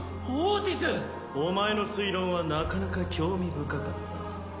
オーティス！お前の推論はなかなか興味深かった。